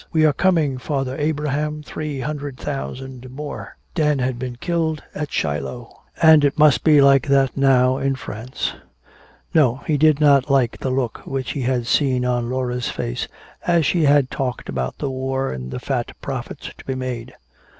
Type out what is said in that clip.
"We are coming, Father Abraham, three hundred thousand more." Dan had been killed at Shiloh. And it must be like that now in France. No, he did not like the look which he had seen on Laura's face as she had talked about the war and the fat profits to be made.